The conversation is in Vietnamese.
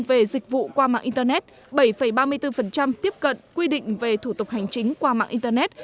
về dịch vụ qua mạng internet bảy ba mươi bốn tiếp cận quy định về thủ tục hành chính qua mạng internet